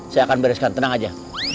saya akan bereskan tenang aja